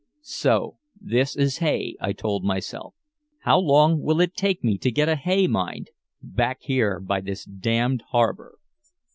"So this is hay," I told myself. "How long will it take me to get a hay mind, back here by this damned harbor?"